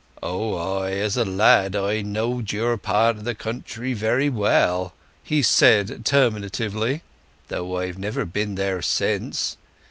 "Oh—ay, as a lad I knowed your part o' the country very well," he said terminatively. "Though I've never been there since.